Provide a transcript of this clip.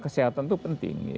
kesehatan itu penting